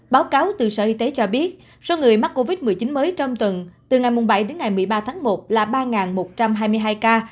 báo cáo từ sở y tế cho biết số người mắc covid một mươi chín mới trong tuần từ ngày bảy đến ngày một mươi ba tháng một là ba một trăm hai mươi hai ca